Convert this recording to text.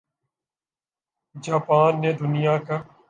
Japan نے دنیا کا